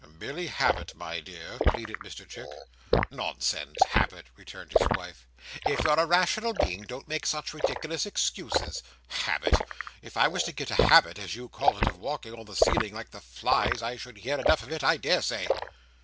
"Merely habit, my dear," pleaded Mr Chick. "Nonsense! Habit!" returned his wife. "If you're a rational being, don't make such ridiculous excuses. Habit! If I was to get a habit (as you call it) of walking on the ceiling, like the flies, I should hear enough of it, I daresay."